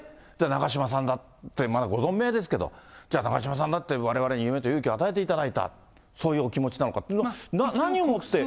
長嶋さんだって、まだご存命ですけれども、じゃあ、長嶋さんだってわれわれに夢と勇気を与えていただいた、そういうお気持ちなのか、何をもって。